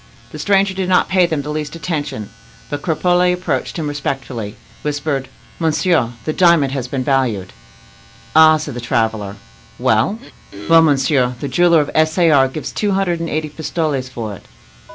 The stranger did not pay them the least attention; but Cropole approaching him respectfully, whispered, "Monsieur, the diamond has been valued." "Ah!" said the traveler. "Well?" "Well, monsieur, the jeweler of S. A. R. gives two hundred and eighty pistoles for it."